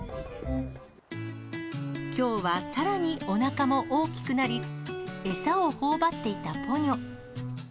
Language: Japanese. きょうはさらにおなかも大きくなり、餌をほおばっていたポニョ。